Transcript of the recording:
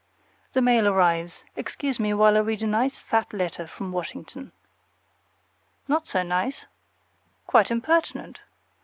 The mail arrives. Excuse me while I read a nice fat letter from Washington. Not so nice; quite impertinent.